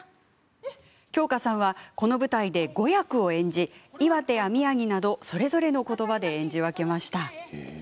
京香さんはこの舞台で５役を演じ岩手や宮城などそれぞれのことばで演じ分けました。